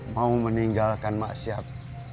mau meninggalkan masyarakat